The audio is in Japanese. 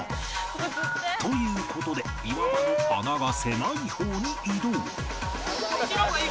という事で岩場の穴が狭い方に移動